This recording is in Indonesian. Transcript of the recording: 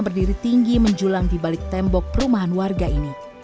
berdiri tinggi menjulang di balik tembok perumahan warga ini